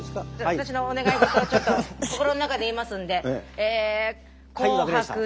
私のお願い事をちょっと心の中で言いますんで。